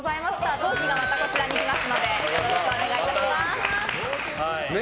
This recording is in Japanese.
同期がまたこちらに来ますのでよろしくお願いいたします。